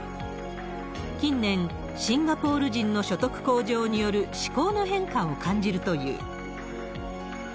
近年、シンガポール人の所得向上によるし好の変化を感じるという。